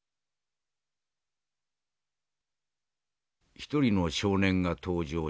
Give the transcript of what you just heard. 「１人の少年が登場し